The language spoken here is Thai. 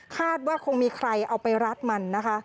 คาดว่าคงมีใครเอาไปรัดมันนะคะ